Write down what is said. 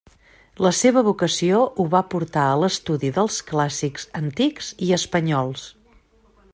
La seva vocació ho va portar a l'estudi dels clàssics, antics i espanyols.